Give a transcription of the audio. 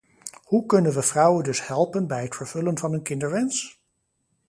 Hoe kunnen we vrouwen dus helpen bij het vervullen van hun kinderwens?